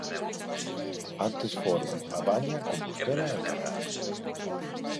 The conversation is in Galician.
Antes foron A Baña, Compostela e Carral.